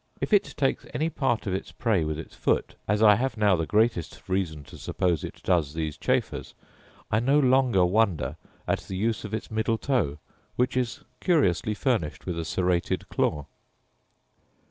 If it takes any part of its prey with its foot, as I have now the greatest reason to suppose it does these chafers, I no longer wonder at the use of its middle toe, which is curiously furnished with a serrated claw.